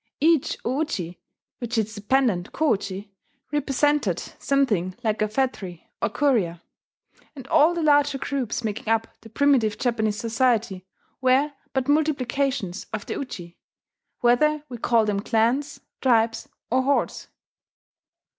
Each o uji, with its dependent ko uji, represented something like a phratry or curia; and all the larger groups making up the primitive Japanese society were but multiplications of the uji, whether we call them clans, tribes, or hordes.